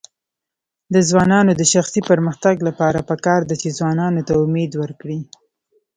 د ځوانانو د شخصي پرمختګ لپاره پکار ده چې ځوانانو ته امید ورکړي.